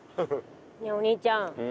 ねえお兄ちゃんうん？